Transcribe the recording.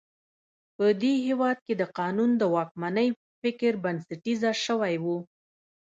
په دې هېواد کې د قانون د واکمنۍ فکر بنسټیزه شوی و.